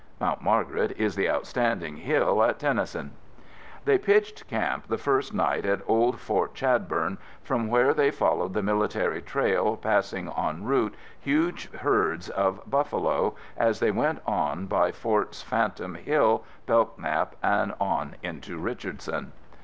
(Mt. Margaret is the outstanding hill at Tennison.) They pitched camp the first night at old Fort Chadbourne, from where they followed the military trail passing en route huge herds of buffalo, as they went on by old Forts Phantom Hill, Belknap and on into Richardson.